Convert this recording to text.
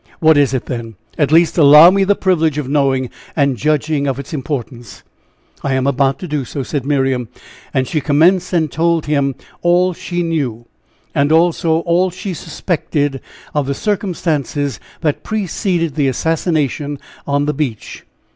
"What is it, then? At least allow me the privilege of knowing, and judging of its importance." "I am about to do so," said Miriam, and she commenced and told him all she knew, and also all she suspected of the circumstances that preceded the assassination on the beach.